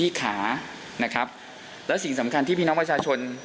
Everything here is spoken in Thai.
ขานะครับและสิ่งสำคัญที่พี่น้องประชาชน